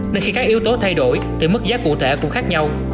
nên khi các yếu tố thay đổi từ mức giá cụ thể cũng khác nhau